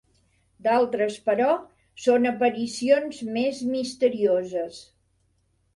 D'altres, però, són aparicions més misterioses.